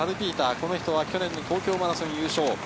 この人は去年の東京マラソン優勝。